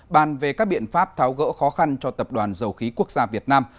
bàn về các biện pháp tháo gỡ khó khăn cho tập đoàn dầu khí quốc gia việt nam